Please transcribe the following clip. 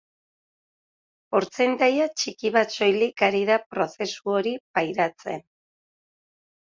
Portzentaia txiki bat soilik ari da prozesu hori pairatzen.